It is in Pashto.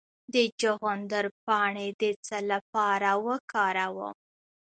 د چغندر پاڼې د څه لپاره وکاروم؟